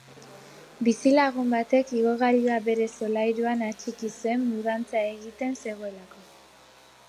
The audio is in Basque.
Bizilagun batek igogailua bere solairuan atxiki zuen mudantza egiten zegoelako.